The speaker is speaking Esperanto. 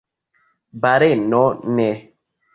Baleno: "Ne."